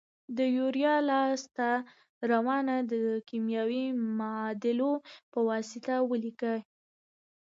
د یوریا لاس ته راوړنه د کیمیاوي معادلو په واسطه ولیکئ.